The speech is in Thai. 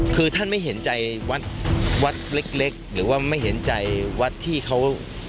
คือท่านไม่เห็นใจวัดวัดเล็กหรือว่าไม่เห็นใจวัดที่เขา